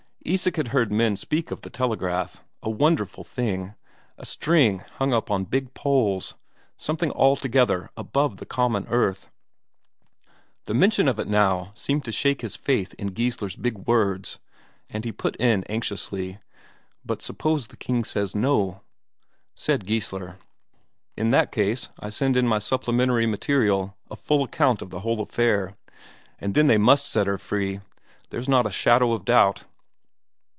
Isak had heard men speak of the telegraph; a wonderful thing, a string hung up on big poles, something altogether above the common earth. The mention of it now seemed to shake his faith in Geissler's big words, and he put in anxiously: "But suppose the King says no?" Said Geissler: "In that case, I send in my supplementary material, a full account of the whole affair. And then they must set her free. There's not a shadow of doubt."